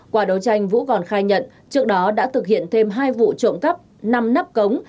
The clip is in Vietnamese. qua đấu tranh vũ còn khai nhận trước đó đã thực hiện thêm hai vụ trộm cắp năm nắp cống